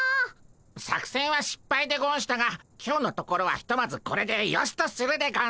作戦はしっぱいでゴンしたが今日のところはひとまずこれでよしとするでゴンス。